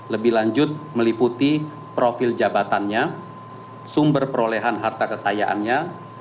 lebih lanjut meliputi profil jabatannya sumber perolehan harta kekayaannya